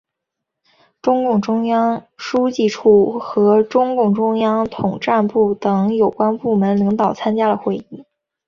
中共中央书记处和中共中央统战部等有关部门领导参加了会议。